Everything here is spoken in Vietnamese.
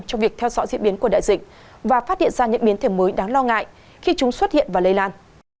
trong việc theo dõi diễn biến của đại dịch và phát hiện ra những biến thể mới đáng lo ngại khi chúng xuất hiện và lây lan